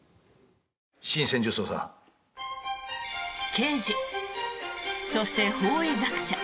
刑事、そして法医学者